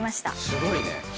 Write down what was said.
すごいね。